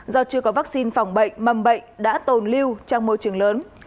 do chưa có vaccine phòng bệnh mầm bệnh đã tồn lưu trong môi trường lớn